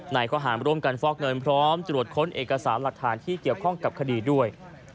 ข้อหารร่วมกันฟอกเงินพร้อมตรวจค้นเอกสารหลักฐานที่เกี่ยวข้องกับคดีด้วย